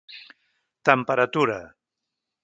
Temperatura: